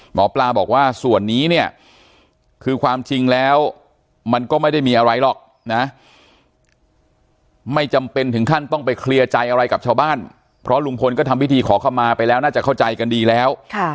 หมอปลาบอกว่าส่วนนี้เนี่ยคือความจริงแล้วมันก็ไม่ได้มีอะไรหรอกนะไม่จำเป็นถึงขั้นต้องไปเคลียร์ใจอะไรกับชาวบ้านเพราะลุงพลก็ทำพิธีขอเข้ามาไปแล้วน่าจะเข้าใจกันดีแล้ว